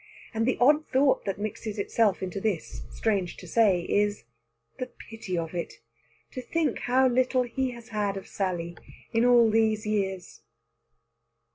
And the odd thought that mixes itself into this, strange to say, is "The pity of it! To think how little he has had of Sally in all these years!"